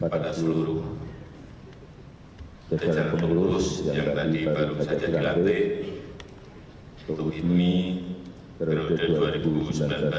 di atas kembali dengan baik